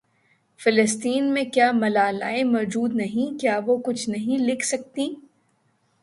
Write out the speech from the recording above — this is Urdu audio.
فلسطین میں کیا ملالائیں موجود نہیں کیا وہ کچھ نہیں لکھ سکتیں